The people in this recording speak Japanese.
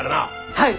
はい！